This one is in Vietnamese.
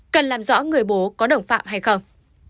cần làm rõ người bố có đồng phạm hay không